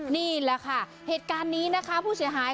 นี่แหละค่ะเหตุการณ์นี้นะคะผู้เสียหาย